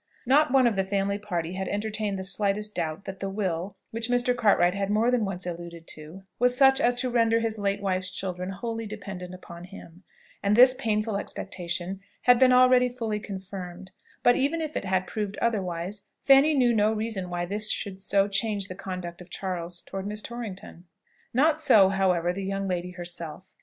Not one of the family party had entertained the slightest doubt that the will, which Mr. Cartwright had more than once alluded to, was such as to render his late wife's children wholly dependent upon him; and this painful expectation had been already fully confirmed: but even if it had proved otherwise, Fanny knew no reason why this should so change the conduct of Charles towards Miss Torrington. Not so, however, the young lady herself.